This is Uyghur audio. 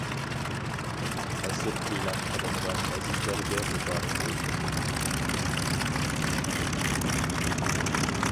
ئەسىر ئېلان قىلىنغان ئەزىزلەرگە مۇبارەك بولسۇن!